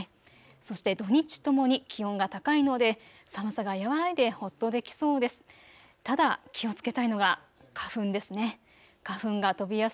そして土日ともに気温が高いので寒さが和らいでほっとできそうです。